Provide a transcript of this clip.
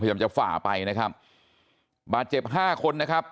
พยายามจะฝ่าไปนะครับบาดเจ็บห้าคนนะครับ